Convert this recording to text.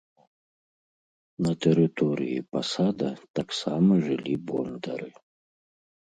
На тэрыторыі пасада таксама жылі бондары.